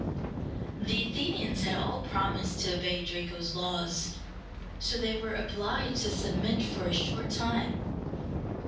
The Athenians had all promised to obey Draco's laws, so they were obliged to submit for a short time.